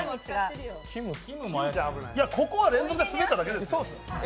ここは連続でスベっただけです。